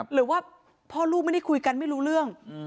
หรือว่าพ่อลูกไม่ได้คุยกันไม่รู้เรื่อง